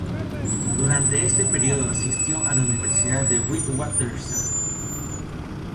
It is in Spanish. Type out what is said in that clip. Durante este período asistió a la Universidad de Witwatersrand.